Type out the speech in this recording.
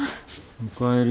おかえり。